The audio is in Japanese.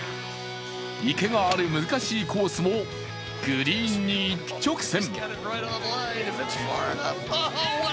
池がある難しいコースもグリーンに一直線。